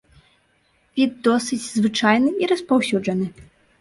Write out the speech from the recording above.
Від досыць звычайны і распаўсюджаны.